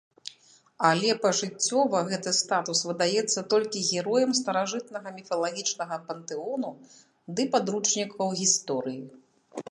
Але пажыццёва гэты статус выдаецца толькі героям старажытнага міфалагічнага пантэону ды падручнікаў гісторыі.